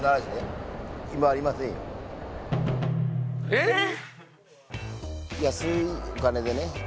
えっ？